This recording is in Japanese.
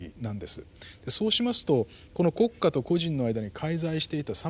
そうしますとこの国家と個人の間に介在していたさまざまな中間団体